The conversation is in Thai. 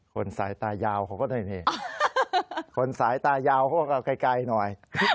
คนสายตายาวเขาก็ได้นี่คนสายตายาวเขาก็ไกลไกลหน่อย